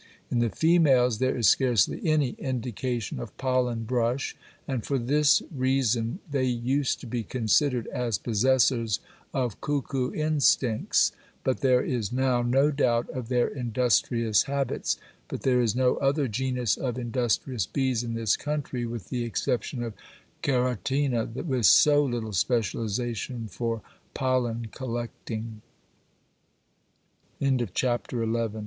In the females there is scarcely any indication of pollen brush, and for this reason they used to be considered as possessors of cuckoo instincts, but there is now no doubt of their industrious habits; but there is no other genus of industrious bees in this country, with the exception of Ceratina, with so little specialization for pollen c